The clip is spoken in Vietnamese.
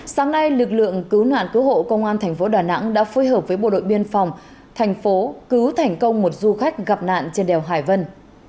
sáng nay lực lượng cứu nạn cứu hộ công an thành phố đà nẵng đã phối hợp với bộ đội biên phòng thành phố cứu thành công một du khách gặp nạn trên đèo hải vân